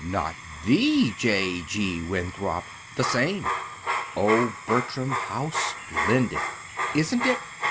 "Not the J. G. Winthrop?" "The same." "Oh, Bertram, how splendid!" "Isn't it?